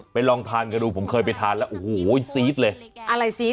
ไปลองทันกันดูผมเคยไปทานแล้วโอ้โฮอีซีดเลย